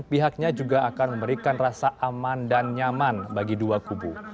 pihaknya juga akan memberikan rasa aman dan nyaman bagi dua kubu